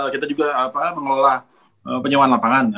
kita juga mengelola penyewaan lapangan